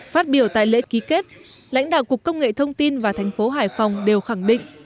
phát biểu tại lễ ký kết lãnh đạo cục công nghệ thông tin và thành phố hải phòng đều khẳng định